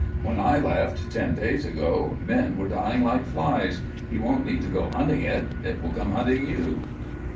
When I left, ten days ago, men were dying like flies. You won't need to go hunting it; it will come hunting you."